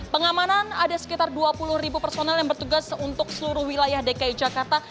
pengamanan ada sekitar dua puluh ribu personel yang bertugas untuk seluruh wilayah dki jakarta